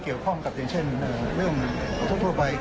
เช่นเช่นเรื่องทุกไป